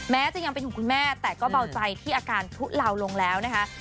แม้จะยังเป็นห่วงคุณแม่แต่ก็เบาใจที่อาการทุเลาลงแล้วนะคะ